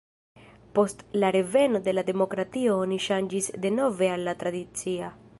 Post la reveno de la demokratio oni ŝanĝis denove al la tradicia.